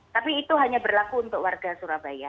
tapi itu hanya berlaku untuk warga surabaya